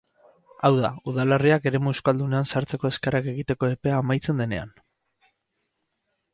Hau da, udalerriak eremu euskaldunean sartzeko eskaerak egiteko epea amaitzen denean.